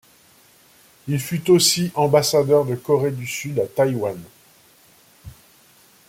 Il fut aussi ambassadeur de Corée du Sud à Taïwan.